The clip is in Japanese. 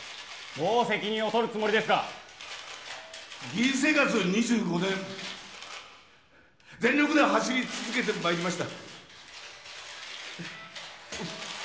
どう責任を取るつもりですか議員生活２５年全力で走り続けてまいりました